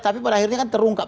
tapi pada akhirnya kan terungkap